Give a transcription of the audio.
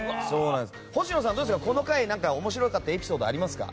星野さん、この回面白かったエピソードありますか？